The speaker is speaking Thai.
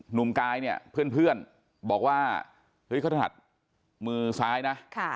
หนุ่มกายเนี่ยเพื่อนบอกว่าเฮ้ยเขาถนัดมือซ้ายนะ